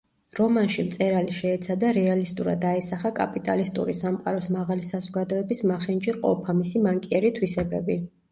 რომანში მწერალი შეეცადა რეალისტურად აესახა კაპიტალისტური სამყაროს „მაღალი საზოგადოების“ მახინჯი ყოფა, მისი მანკიერი თვისებები.